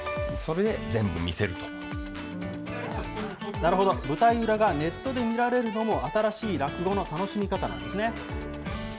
なるほど、舞台裏がネットで見られるのも、新しい落語の楽しみ方なんですね。